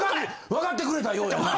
わかってくれたようやな。